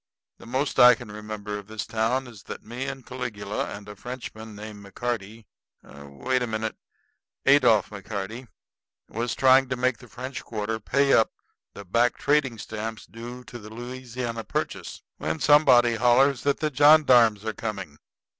The most I can remember of this town is that me and Caligula and a Frenchman named McCarty wait a minute; Adolph McCarty was trying to make the French Quarter pay up the back trading stamps due on the Louisiana Purchase, when somebody hollers that the johndarms are coming.